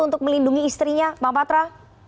untuk melindungi istrinya bang patra